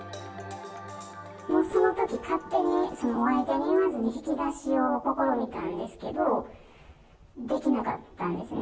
そのとき勝手に相手に言わずに引き出しを試みたんですけど、できなかったんですね。